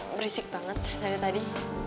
berisik banget dari tadi